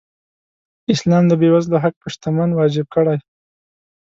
اسلام د بېوزلو حق په شتمن واجب کړی.